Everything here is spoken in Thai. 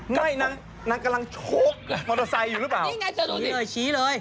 นั่งกำลังโชคมอเตอร์ไซค์อยู่หรือเปล่า